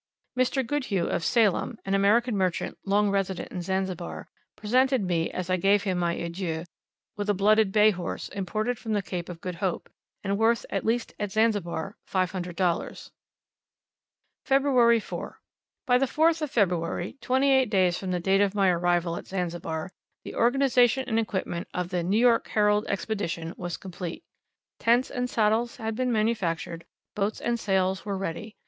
Mr. Goodhue of Salem, an American merchant long resident in Zanzibar, presented me, as I gave him my adieu, with a blooded bay horse, imported from the Cape of Good Hope, and worth, at least at Zanzibar, $500. Feb. 4. By the 4th of February, twenty eight days from the date of my arrival at Zanzibar, the organization and equipment of the "'New York Herald' Expedition" was complete; tents and saddles had been manufactured, boats and sails were ready.